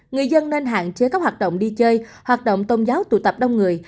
người dân nên hạn chế các hoạt động đi chơi hoạt động tôn giáo tụ tập đông người